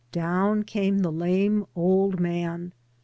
Down came the lame old man.